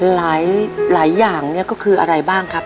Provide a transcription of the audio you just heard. หลายอย่างเนี่ยก็คืออะไรบ้างครับ